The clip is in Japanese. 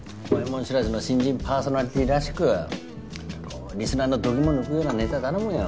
知らずの新人パーソナリティーらしくこうリスナーの度肝抜くようなネタ頼むよ。